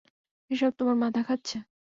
এসব তোমার মাথা খাচ্ছে।